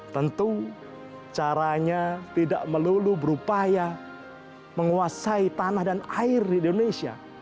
tentu caranya tidak melulu berupaya menguasai tanah dan air di indonesia